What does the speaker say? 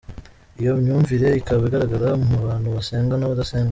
Iyo myumvire ikaba igaragara mu bantu basenga n’abadasenga.